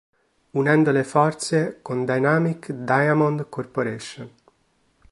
Unendo le forze con Dynamic Diamond Corp.